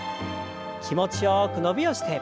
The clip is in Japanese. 気持ちよく伸びをして。